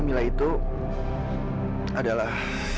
kamilah itu adalah